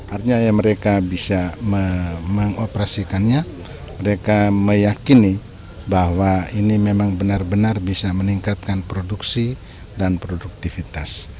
artinya mereka bisa mengoperasikannya mereka meyakini bahwa ini memang benar benar bisa meningkatkan produksi dan produktivitas